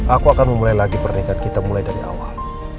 aku akan memulai lagi pernikahan kita mulai dari awal